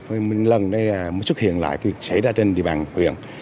một lần đây xuất hiện lại cái việc xảy ra trên địa bàn huyện